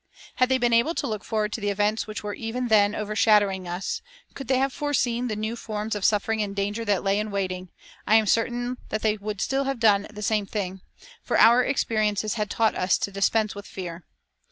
Had they been able to look forward to the events which were even then overshadowing us, could they have foreseen the new forms of suffering and danger that lay in waiting, I am certain that they would still have done the same thing, for our experiences had taught us to dispense with fear.